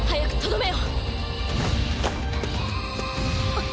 あっ。